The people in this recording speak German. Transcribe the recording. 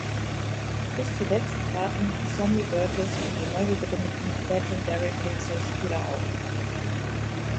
Bis zuletzt traten Sonny Burgess und die neu gegründeten "Legendary Pacers" wieder auf.